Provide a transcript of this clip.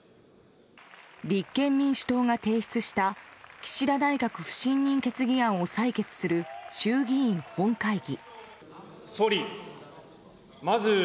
立憲民主党が提出した岸田内閣不信任決議案を採決する衆議院本会議。